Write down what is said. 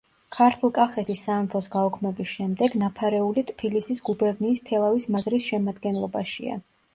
ქართლ-კახეთის სამეფოს გაუქმების შემდეგ, ნაფარეული ტფილისის გუბერნიის თელავის მაზრის შემადგენლობაშია.